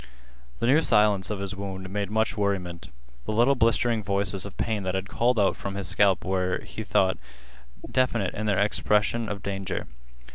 The new silence of his wound made much worriment. The little blistering voices of pain that had called out from his scalp were, he thought, definite in their expression of danger.